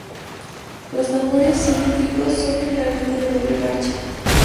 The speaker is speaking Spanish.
Los tambores cilíndricos son generalmente de doble parche.